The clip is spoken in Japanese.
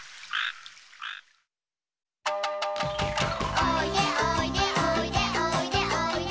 「おいでおいでおいでおいでおいで」